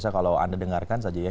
kalau anda dengarkan saja ya